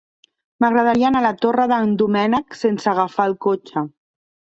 M'agradaria anar a la Torre d'en Doménec sense agafar el cotxe.